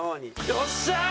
よっしゃー！